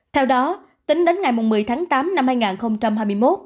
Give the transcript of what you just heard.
theo đó tính đến ngày một mươi tháng tám năm hai nghìn hai mươi một